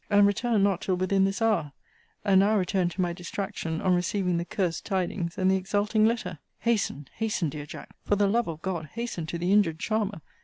and returned not till within this hour: and now returned to my distraction, on receiving the cursed tidings, and the exulting letter. Hasten, hasten, dear Jack; for the love of God, hasten to the injured charmer!